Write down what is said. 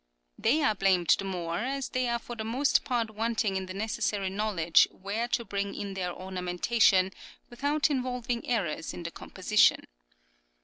They are blamed the more as they are for the most part wanting in the necessary knowledge where to bring in their ornamentation without involving errors in the composition (pp.